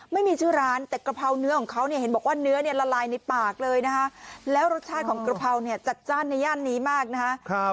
ไม่มีชื่อร้านแต่กะเพราเนื้อของเขาเนี่ยเห็นบอกว่าเนื้อเนี่ยละลายในปากเลยนะคะแล้วรสชาติของกระเพราเนี่ยจัดจ้านในย่านนี้มากนะฮะ